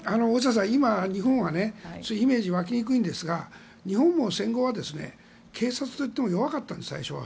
今、日本はそういうイメージがわきにくいんですが日本も戦後は、警察といっても弱かったんです、最初は。